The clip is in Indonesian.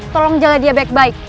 tolong jalan dia baik baik